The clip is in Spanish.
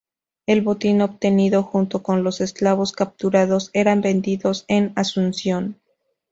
El botín obtenido junto con los esclavos capturados eran vendidos en Asunción.